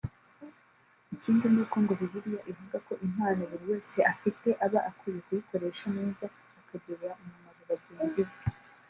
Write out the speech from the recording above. Ikindi nuko ngo Bibiliya ivuga ko impano buri wese afite aba akwiye kuyikoresha neza ikagirira umumaro bagenzi be